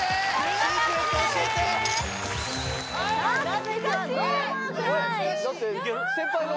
シークレット教えていける？